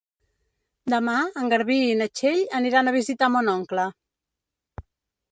Demà en Garbí i na Txell aniran a visitar mon oncle.